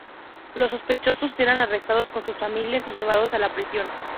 Los sospechosos eran arrestados con sus familias y llevados a la prisión.